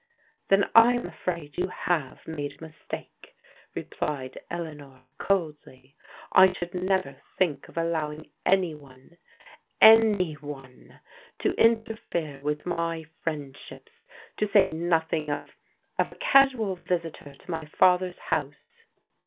" Then I'm afraid you have made a mistake," replied Eleanor coldly. " I should never think of allowing any one — any one — to interfere with my friendships, to say nothing of — of a casual visitor to my father's house."